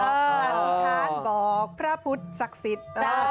อธิษฐานบอกพระพุทธศักดิ์สิทธิ์